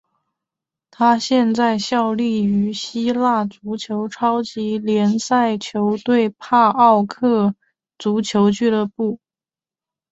他现在效力于希腊足球超级联赛球队帕奥克足球俱乐部。